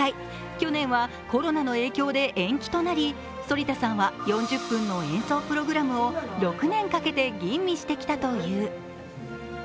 去年はコロナの影響で延期となり、反田さんは４０分の演奏プログラムを６年かけて吟味してきたという。